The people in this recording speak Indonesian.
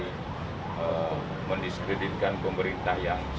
sudah menyinggung yinggung dari perangkat yang tersebut